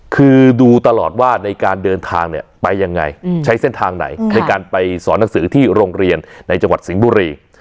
คือดูตลอดว่าในการเดินทางเนี่ยไปยังไงใช้เส้นทางไหนในการไปสอนหนังสือที่โรงเรียนในจังหวัดสิงห์บุรี